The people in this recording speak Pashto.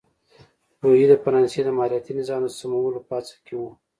لويي د فرانسې د مالیاتي نظام د سمولو په هڅه کې و.